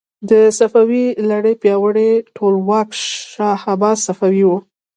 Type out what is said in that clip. د صفوي لړۍ پیاوړی ټولواک شاه عباس صفوي و.